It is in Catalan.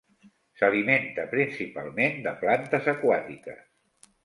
S'alimenta principalment de plantes aquàtiques.